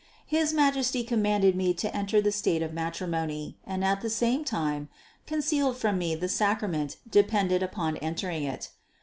His Majesty commanded me to enter the state of matrimony and at the same time concealed from me the sacrament dependent upon entering it.